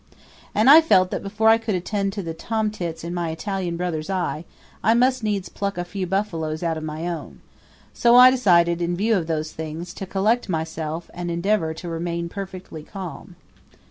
And I felt that before I could attend to the tomtits in my Italian brother's eye I must needs pluck a few buffaloes out of my own; so I decided, in view of those things, to collect myself and endeavor to remain perfectly calm.